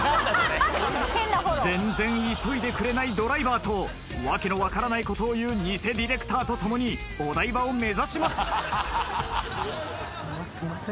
全然急いでくれないドライバーと訳の分からないことを言う偽ディレクターと共にお台場を目指します。